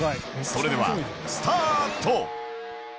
それではスタート！